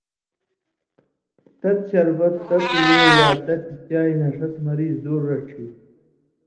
تت شربت، تتوۡ وے یا تتیۡ چائ نہ ݜس مریض دُور رڇھی۔